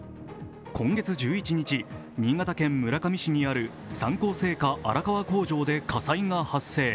今月１１日、新潟県村上市にある三幸製菓荒川工場で火災が発生。